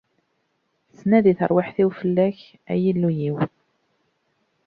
Tettnadi terwiḥt-iw fell-ak, ay Illu-iw!